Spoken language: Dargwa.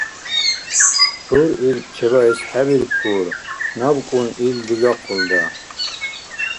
ГӀур ил чебаэс хӀебиркур, набкӀун ил дигахъулра.